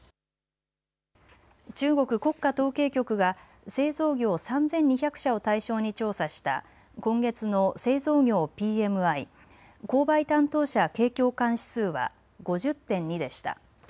中国国家統計局が製造業３２００社を対象に調査した今月の製造業ＰＭＩ・購買担当者景況感指数は５０．２でした。